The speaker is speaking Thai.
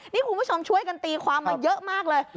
นี่คุณผู้ชมช่วยกันตีความมาเยอะมากเลย